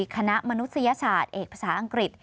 มนุษยศาสตร์เอกภาษาอังกฤษ